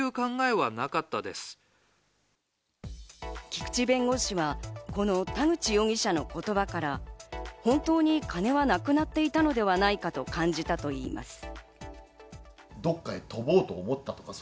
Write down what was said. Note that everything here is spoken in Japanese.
菊地弁護士はこの田口容疑者の言葉から、本当に金はなくなっていたのではないかと感じたといいます。